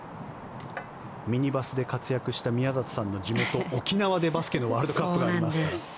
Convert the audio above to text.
ミニバスで活躍した宮里さんの地元・沖縄でバスケのワールドカップがありますから。